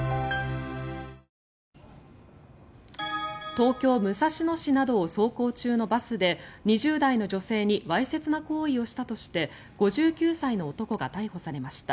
東京・武蔵野市などを走行中のバスで２０代の女性にわいせつな行為をしたとして５９歳の男が逮捕されました。